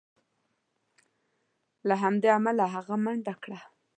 له همدې امله هغه منډه کړه.